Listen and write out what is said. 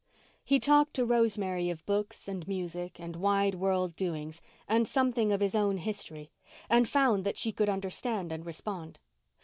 He talked to Rosemary of books and music and wide world doings and something of his own history, and found that she could understand and respond.